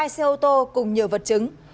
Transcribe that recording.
hai xe ô tô cùng nhiều vật chứng